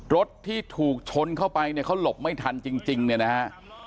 รถที่ถูกชนเข้าไปเนี่ยเขาหลบไม่ทันจริงเนี่ยนะฮะ